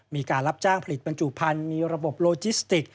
มีการรับจ้างผลิตบรรจุพันธุ์มีระบบโลจิสติก